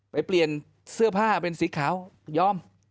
เปลี่ยนเสื้อผ้าเป็นสีขาวยอม